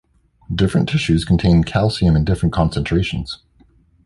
Different tissues contain calcium in different concentrations.